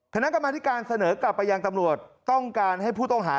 คณะกรรมธิการเสนอกลับไปยังตำรวจต้องการให้ผู้ต้องหา